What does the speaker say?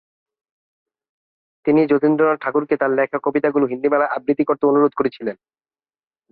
তিনি জ্যোতিরিন্দ্রনাথ ঠাকুরকে তাঁর লেখা কবিতাগুলো হিন্দু মেলায় আবৃত্তি করতে অনুরোধ করেছিলেন।